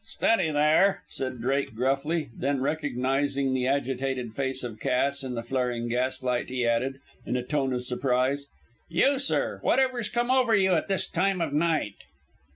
"Steady there," said Drake, gruffly, then recognising the agitated face of Cass in the flaring gaslight, he added, in a tone of surprise: "You, sir; whatever's come over you at this time of night?"